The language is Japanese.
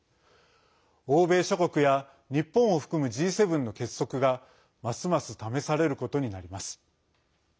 欧米諸国や日本を含むＧ７の結束がますます試されることになります。